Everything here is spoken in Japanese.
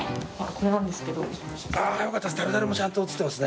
これなんですけど。